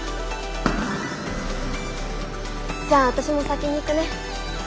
じゃあ私も先に行くね。